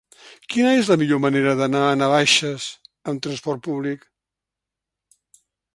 Quina és la millor manera d'anar a Navaixes amb transport públic?